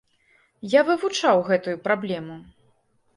Я вывучаў гэтую праблему.